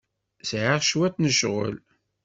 Sɛiɣ cwiṭ n ccɣel.